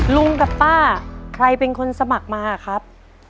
ลุงกับป้าใครเป็นคนสมัครมาครับ